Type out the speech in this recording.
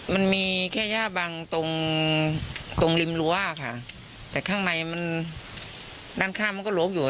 มันมีแค่ย่าบังตรงตรงริมรั้วค่ะแต่ข้างในมันด้านข้างมันก็ลกอยู่